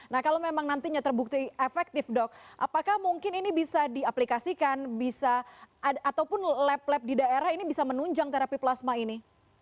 nah kalau memang nantinya terbukti efektif dok apakah mungkin ini bisa diaplikasikan bisa ataupun lab lab di daerah ini bisa menunjang terapi plasma ini